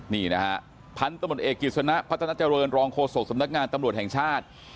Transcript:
นี่นะฮะพันธมตเอกกิจสนะพัฒนาเจริญรองโฆษกสำนักงานตำรวจแห่งชาติ